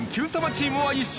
チームは１勝。